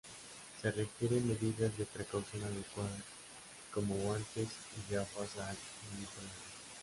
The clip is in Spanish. Se requieren medidas de precaución adecuadas, como guantes y gafas, al manipularlo.